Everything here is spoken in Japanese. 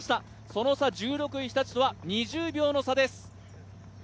その差１６位、日立とは２０秒の差です